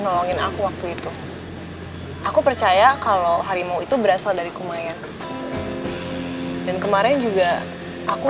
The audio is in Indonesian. nolongin aku waktu itu aku percaya kalau harimau itu berasal dari kumayan dan kemarin juga aku